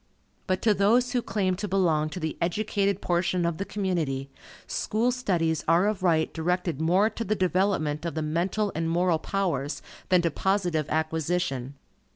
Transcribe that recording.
But to those who claim to belong to the educated portion of the community, school studies are of right directed more to the development of the mental and moral powers, than to positive acquisition.